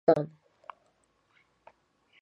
خيبرافغانستان